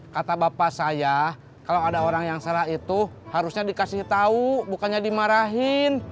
kata bapak saya kalau ada orang yang salah itu harusnya dikasih tahu bukannya dimarahin